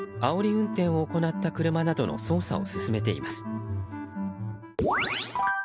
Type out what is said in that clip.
運転を行った車などの捜査を進めています。